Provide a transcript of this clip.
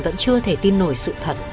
vẫn chưa thể tin nổi sự thật